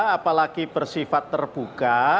apalagi bersifat terbuka